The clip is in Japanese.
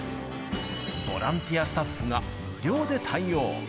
ボランティアスタッフが無料で対応。